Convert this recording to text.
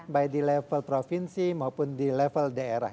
baik di level provinsi maupun di level daerah